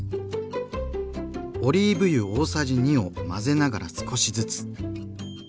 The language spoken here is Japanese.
オリーブ油大さじ２を混ぜながら少しずつ。